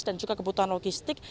dan juga kebutuhan logistik